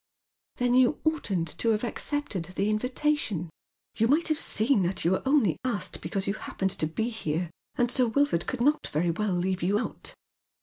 "Then you oughtn't to have accepted the invitation. You might have seen that you were only asked because you hap pened to be here, and Sir Wilford could not very well leave you out."